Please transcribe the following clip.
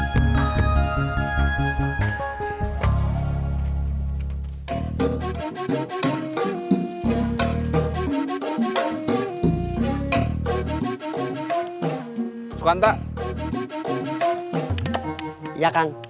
semarang semarang semarang